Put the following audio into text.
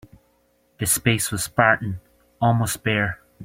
The space was spartan, almost bare.